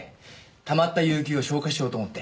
たまった有休を消化しようと思って。